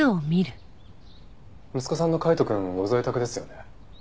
息子さんの海斗くんご在宅ですよね？